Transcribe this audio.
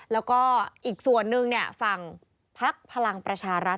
แล้วก็อีกส่วนนึงฟังภักดิ์พลังประชารัฐ